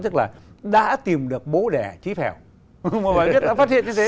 tức là đã tìm được bố đẻ trí phèo một bài viết đã phát hiện như thế